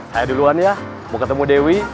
saya duluan ya mau ketemu dewi